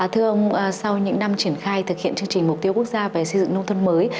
thưa ông sau những năm triển khai thực hiện chương trình mục tiêu quốc gia về xây dựng nông thôn mới